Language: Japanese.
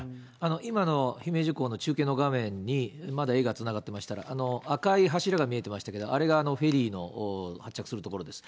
今の姫路港の中継の場面にまだ絵がつながっていましたら、赤い柱が見えてましたけど、あれがフェリーの発着する所です。